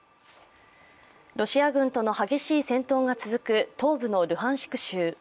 ロシア軍との激しい戦闘が続く東部のルハンシク州。